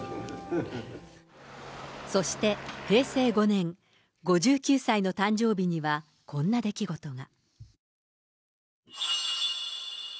そして平成５年、５９歳の誕生日には、こんな出来事が。